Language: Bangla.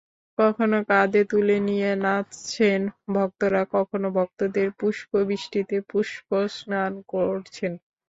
কখনো কাঁধে তুলে নিয়ে নাচছেন ভক্তরা, কখনো ভক্তদের পুষ্পবৃষ্টিতে পুষ্পস্নান করছেন।